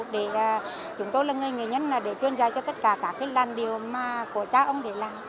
để chúng tôi là người nghệ nhân để truyền dạy cho tất cả các cái làn điều mà của cha ông để làm